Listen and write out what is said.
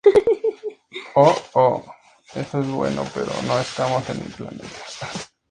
Oh. Oh, eso es bueno. pero no estamos en mi planeta.